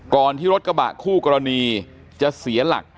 ที่รถกระบะคู่กรณีจะเสียหลัก